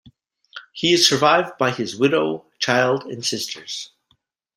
He is survived by his widow, child, and sisters.